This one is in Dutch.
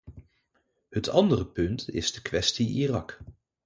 Het andere punt is de kwestie-Irak.